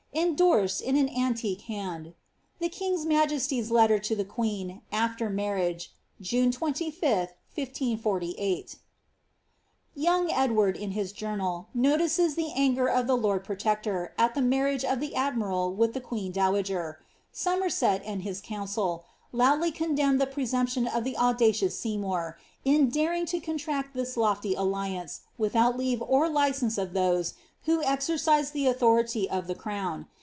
Indor?od, in an anti'jue hand, — Tlie king*s majesty's letter to the queen afttr marriage. June io, 1048." Younjr Edward, in his journal, notices the anger of the lord protector, at the marriage of the admiral with the queen dowager. Somerset, ind his council, loudly condemned the presumption of the audacious Sev mour, in daring to contract this lofty alliance, without leave or license of those who exercised the authority of the crown.